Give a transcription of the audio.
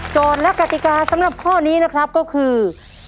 และกติกาสำหรับข้อนี้นะครับก็คือ